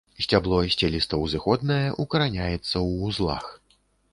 Сцябло сцеліста-ўзыходнае, укараняецца ў вузлах.